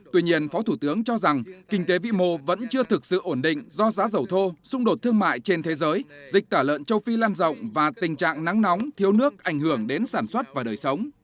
tuy nhiên phó thủ tướng cho rằng kinh tế vĩ mô vẫn chưa thực sự ổn định do giá dầu thô xung đột thương mại trên thế giới dịch tả lợn châu phi lan rộng và tình trạng nắng nóng thiếu nước ảnh hưởng đến sản xuất và đời sống